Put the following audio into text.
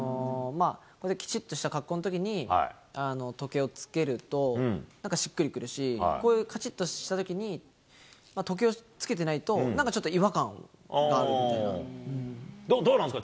こういうきちっとした格好のときに時計をつけると、なんかしっくりくるし、こういうかちっとしたときに時計をつけてないと、なんかちょっとどうなんですか？